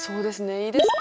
いいですか？